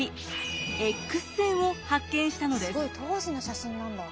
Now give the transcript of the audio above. すごい当時の写真なんだ。